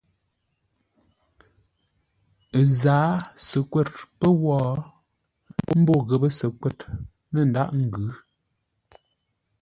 Ə́ zǎa səkwə̂r pə̂ wó mbó ghəpə́ səkwə̂r lə̂ ndághʼ ngʉ̌.